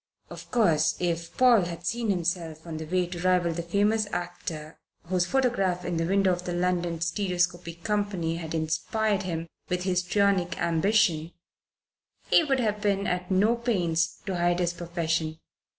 Of course if Paul had seen himself on the way to rival the famous actor whose photograph in the window of the London Stereoscopic Company had inspired him with histrionic ambitions, he would have been at no pains to hide his profession.